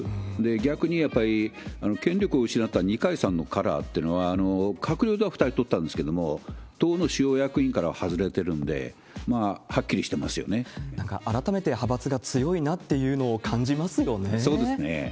逆にやっぱり権力を失った二階さんのカラーっていうのは、閣僚では２人取ったんですけれども、党の主要役員からは外れてるんで、はなんか改めて派閥が強いなっそうですね。